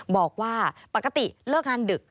บอกว่าปกติเลิกงานดึก